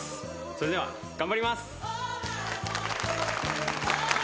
それでは頑張ります。